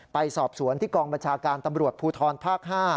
ไปสอบสวนที่กองบัญชาการตำรวจภูทรภาค๕